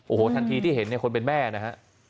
โอ้โหทันทีที่เห็นเนี่ยคนเป็นแม่นะฮะ